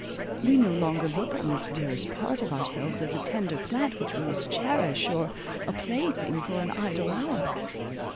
We no longer look on this dearest part of ourselves, as a tender plant which we must cherish, or a plaything for an idle hour.